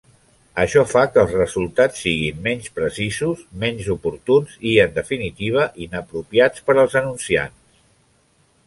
Això fa que els resultats siguin menys precisos, menys oportuns i, en definitiva, inapropiats per als anunciants.